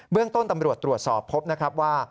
เรื่องต้นตำรวจตรวจสอบพบนะครับว่า